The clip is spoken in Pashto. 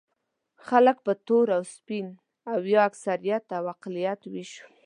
خلک په تور او سپین او یا اکثریت او اقلیت وېشو.